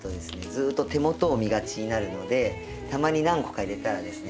ずっと手元を見がちになるのでたまに何個か入れたらですね